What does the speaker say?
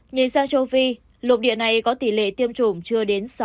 nhìn sang châu phi lục địa này có tỷ lệ tiêm chủng chưa đến sáu